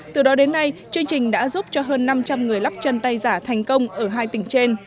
từ đó đến nay chương trình đã giúp cho hơn năm trăm linh người lắp chân tay giả thành công ở hai tỉnh trên